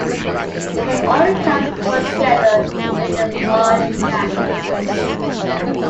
When all the cards were put together it made a large map.